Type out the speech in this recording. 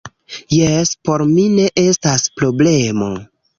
Jes, por mi ne estas problemo